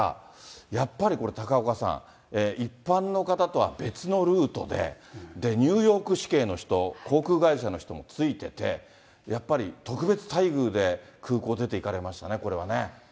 やっぱりこれ、高岡さん、一般の方とは別のルートで、ニューヨーク市警の人、航空会社の人もついてて、やっぱり特別待遇で空港出て行かれましたね、これはね。